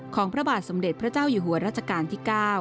พระบาทสมเด็จพระเจ้าอยู่หัวรัชกาลที่๙